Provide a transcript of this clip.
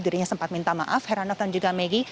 dirinya sempat minta maaf heranotan juga megi